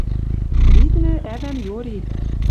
Виднӹ, ӓвӓм йори